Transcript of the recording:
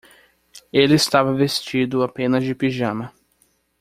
Ele estava vestido apenas de pijama.